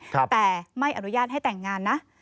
แต่ไม่อนุญาตให้แต่งงานนะ